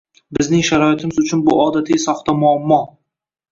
Bizning sharoitimiz uchun bu odatiy soxta muammo: hali tizimni